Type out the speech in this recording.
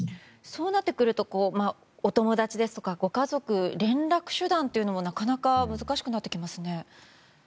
そうなってくるとお友達ですとか、ご家族連絡手段もなかなか難しくなりますね。